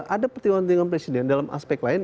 ada pertimbangan pertimbangan presiden dalam aspek lain